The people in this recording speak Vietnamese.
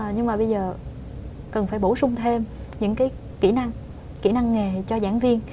nhưng mà bây giờ cần phải bổ sung thêm những cái kỹ năng kỹ năng nghề cho giảng viên